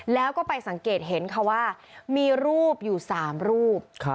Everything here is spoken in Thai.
แล้วก็ไปสังเกตเห็นค่ะว่ามีรูปอยู่๓รูป